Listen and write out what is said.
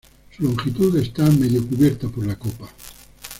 Su longitud está medio cubierto por la copa.